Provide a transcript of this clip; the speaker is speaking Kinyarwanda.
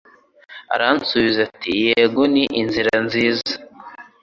Aransubiza ati: "Yego; ni inzira nziza